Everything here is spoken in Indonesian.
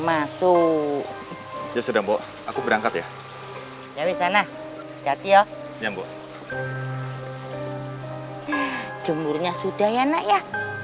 masuk itu sudah mbok aku berangkat ya ya wisana jatio nyambo jemurnya sudah ya nak ya